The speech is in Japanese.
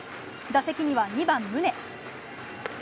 打席には２番宗。